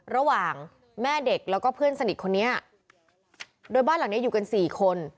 ระหว่างแม่เด็กแล้วก็เพื่อนสนิทคนนี้โดยบ้านหลังนี้อยู่กันสี่คน